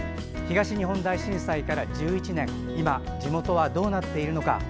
東日本大震災から１１年今、地元はどうなっているのか。